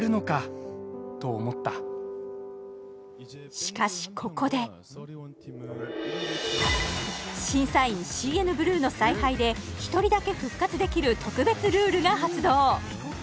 しかしここで審査員ＣＮＢＬＵＥの采配で１人だけ復活できる特別ルールが発動！